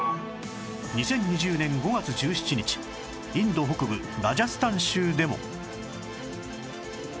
２０２０年５月１７日インド北部ラジャスタン州でも